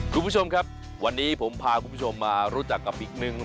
คุณผู้ชมครับวันนี้ผมพาคุณผู้ชมมารู้จักกับอีกหนึ่ง